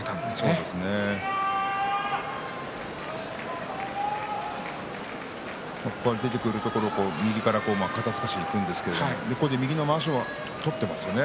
そして出てくるところを右から肩すかしにいくんですがここで右のまわしを取っていますよね。